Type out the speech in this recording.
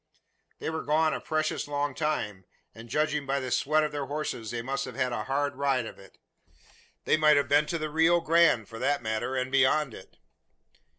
They were gone a precious long time; and judging by the sweat of their horses they must have had a hard ride of it. They might have been to the Rio Grande, for that matter, and beyond it."